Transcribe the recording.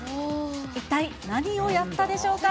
一体、何をやったでしょうか。